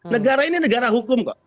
negara ini negara hukum kok